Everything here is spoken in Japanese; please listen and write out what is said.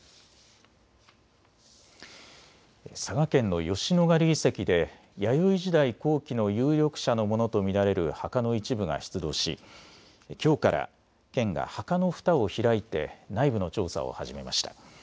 佐賀県の吉野ヶ里遺跡で弥生時代後期の有力者のものと見られる墓の一部が出土しきょうから県が墓のふたを開いて内部の調査を始めました。